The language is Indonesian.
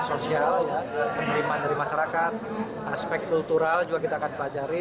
aspek kultural juga kita akan pelajari